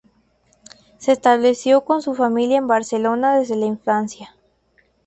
Se estableció con su familia en Barcelona desde la infancia.